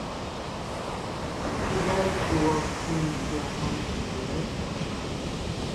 Сыда чӏыопсым бжыхьэм щыхъурэр?